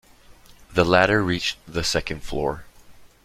The ladder reached the second floor.